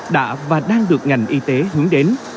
đã và đang được ngành y tế hướng đến